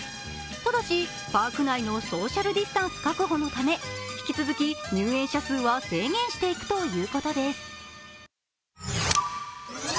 ただし、パーク内のソーシャルディスタンス確保のため引き続き入園者数は制限していくということです。